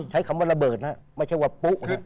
ใช้คำว่าระเบิดนะครับไม่ใช่ว่าปุ๊บนะครับ